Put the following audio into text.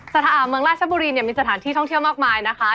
สถานเมืองราชบุรีเนี่ยมีสถานที่ท่องเที่ยวมากมายนะคะ